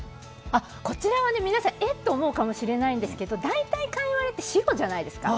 こちらは皆さん、えっと思うかもしれないんですけど大体カイワレって白じゃないですか。